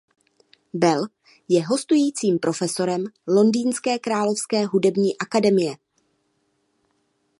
Bell je hostujícím profesorem londýnské Královské hudební akademie.